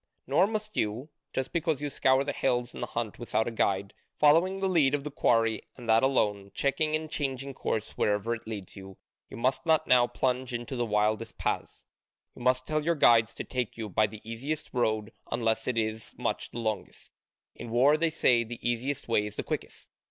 Nor must you just because you scour the hills in the hunt without a guide, following the lead of the quarry and that alone, checking and changing course wherever it leads you you must not now plunge into the wildest paths: you must tell your guides to take you by the easiest road unless it is much the longest. In war, they say, the easiest way is the quickest.